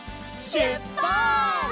しゅっぱつ！